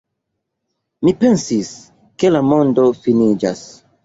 Mi pensis, ke la mondo finiĝas.